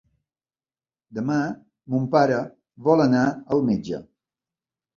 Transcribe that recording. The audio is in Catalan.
Demà mon pare vol anar al metge.